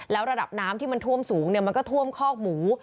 แล้วระดับน้ำที่มันท่วมสูงมันก็ท่วมคอกหมู